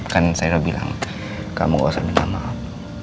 kan saya udah bilang kamu gak usah minta maaf